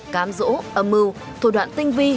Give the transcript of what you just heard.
cám rỗ âm mưu thổ đoạn tinh vi